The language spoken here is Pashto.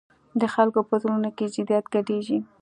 د خلکو په زړونو کې جدیت ګډېږي.